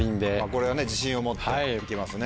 これは自信を持っていけますね。